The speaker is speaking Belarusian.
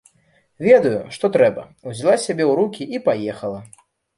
Ведаю, што трэба, узяла сябе ў рукі і паехала.